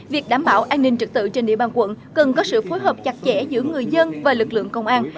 việc đảm bảo an ninh trực tự trên địa bàn quận cần có sự phối hợp chặt chẽ giữa người dân và lực lượng công an